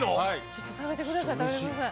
ちょっと食べてください食べてください。